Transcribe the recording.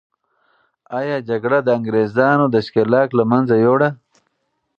آیا جګړه د انګریزانو دښکیلاک له منځه یوړه؟